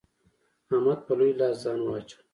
احمد په لوی لاس ځان واچاوو.